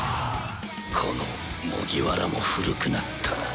「この麦わらも古くなったな」